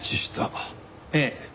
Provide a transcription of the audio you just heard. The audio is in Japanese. ええ。